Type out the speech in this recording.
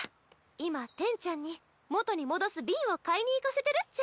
今テンちゃんに元に戻すビンを買いに行かせてるっちゃ。